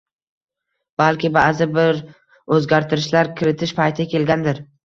balki ba’zi bir o‘zgartirishlar kiritish payti kelgandir.